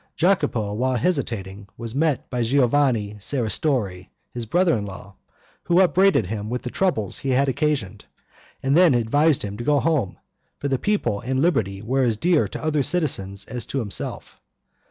Jacopo, while hesitating, was met by Giovanni Seristori, his brother in law, who upbraided him with the troubles he had occasioned, and then advised him to go home, for the people and liberty were as dear to other citizens as to himself.